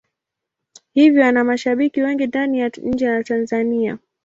Hivyo ana mashabiki wengi ndani na nje ya Tanzania.